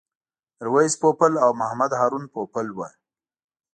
میرویس پوپل او محمد هارون پوپل و.